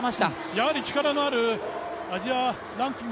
やはり力のあるアジアランキング